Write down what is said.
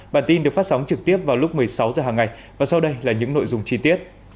bản tin được phát sóng trực tiếp vào lúc một mươi sáu h hàng ngày và sau đây là những nội dung chi tiết